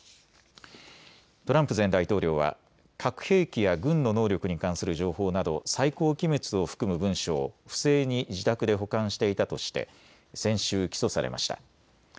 トランプ前大統領は核兵器や軍の能力に関する情報など最高機密を含む文書を不正に自宅で保管していたとして先週、起訴されました。